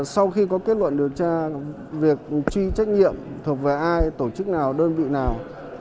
sau khi có kết luận điều tra việc truy trách nhiệm thuộc về ai tổ chức nào đơn vị nào